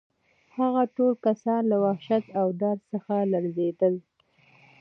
هغه ټول کسان له وحشت او ډار څخه لړزېدل